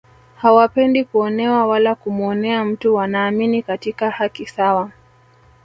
Hawapendi kuonewa wala kumuonea mtu wanaamini katika haki sawa